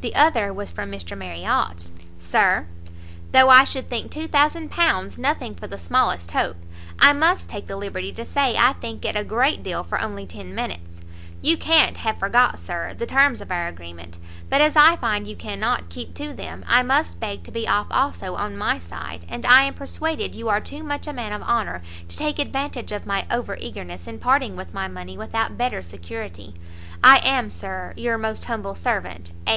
The other was from Mr Marriot. Sir, Though I should think £2000 nothing for the smallest hope, I must take the liberty to say I think it a great deal for only ten minutes; you can't have forgot, Sir, the terms of our agreement, but as I find you cannot keep to them, I must beg to be off also on my side, and I am persuaded you are too much a man of honour to take advantage of my over eagerness in parting with my money without better security. I am, Sir, your most humble servant, A.